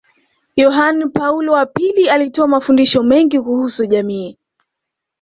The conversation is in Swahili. Yohane Paulo wa pili alitoa mafundisho mengi kuhusu jamii